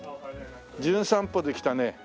『じゅん散歩』で来たね